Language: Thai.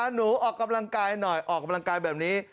หนูออกกำลังกายหน่อยออกกำลังกายแบบนี้